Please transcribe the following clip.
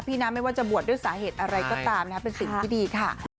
นะไม่ว่าจะบวชด้วยสาเหตุอะไรก็ตามนะเป็นสิ่งที่ดีค่ะ